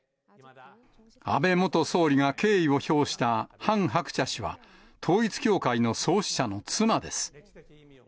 安倍元総理が敬意を表したハン・ハクチャ氏は、統一教会の創始者の妻です。